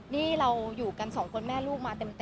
นี่เราอยู่กันสองคนแม่ลูกมาเต็ม